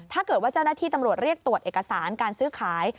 ถ้าเกิดว่าเจ้าหน้าที่ตำรวจเรียกตรวจเอกสารการซื้อขาย